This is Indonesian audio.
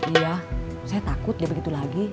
iya saya takut dia begitu lagi